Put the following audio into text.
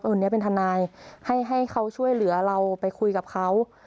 วันนี้เป็นทนายให้เขาช่วยเหลือเราไปคุยกับเขา